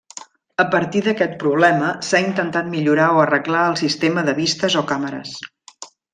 A partir d'aquest problema s'ha intentat millorar o arreglar el sistema de vistes o càmeres.